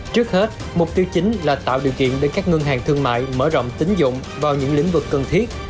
trước hết mục tiêu chính là tạo điều kiện để các ngân hàng thương mại mở rộng tính dụng vào những lĩnh vực cần thiết